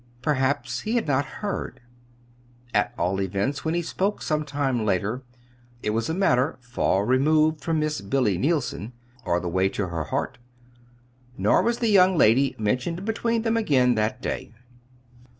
Perhaps he had not heard. At all events, when he spoke some time later, it was of a matter far removed from Miss Billy Neilson, or the way to her heart. Nor was the young lady mentioned between them again that day.